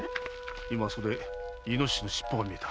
今そこでイノシシの尻尾が見えた。